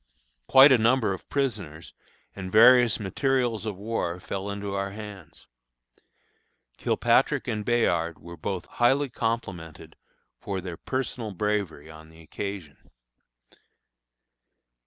Quite a number of prisoners and various materials of war fell into our hands. Kilpatrick and Bayard were both highly complimented for their personal bravery on the occasion.